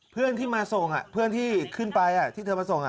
เพื่อนที่มาส่งเพื่อนที่ขึ้นไปที่เธอมาส่ง